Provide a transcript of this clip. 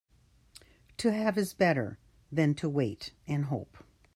To have is better than to wait and hope.